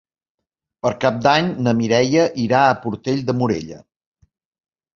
Per Cap d'Any na Mireia irà a Portell de Morella.